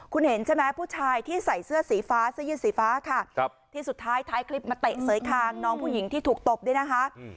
คุณเห็นใช่ไหมผู้ชายที่ใส่เสื้อสีฟ้าเสื้อยืดสีฟ้าค่ะที่สุดท้ายท้ายคลิปมาเตะเสยคางน้องผู้หญิงที่ถูกตบเนี่ยนะคะ